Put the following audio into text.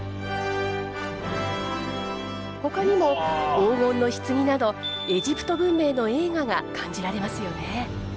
ほかにも黄金の棺などエジプト文明の栄華が感じられますよね。